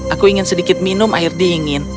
aku ingin sedikit minum air dingin